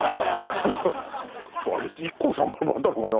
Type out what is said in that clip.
ＩＫＫＯさんからもらったのかな？